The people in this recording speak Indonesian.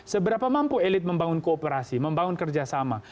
seberapa mampu elit membangun kooperasi membangun kerjasama